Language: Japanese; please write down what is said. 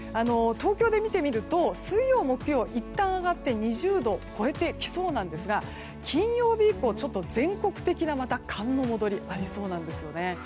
東京で見てみると水曜、木曜はいったん上がって２０度を超えてきそうなんですが金曜日以降、ちょっと全国的にまた寒の戻りがありそうです。